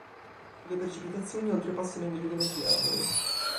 Le precipitazioni oltrepassano i mm annui.